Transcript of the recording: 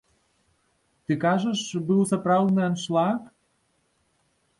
Ты кажаш, быў сапраўдны аншлаг?